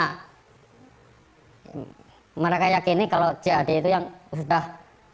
karena mereka yakin kalau jad itu yang sudah